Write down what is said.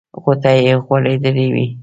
غوټۍ یې غوړېدلې وې.